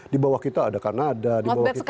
di bawah kita ada kanada di bawah kita